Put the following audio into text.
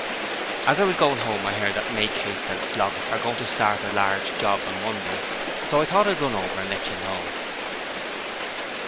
'As I was going home I heard that Makehaste and Sloggit are going to start a large job on Monday, so I thought I'd run over and let you know.'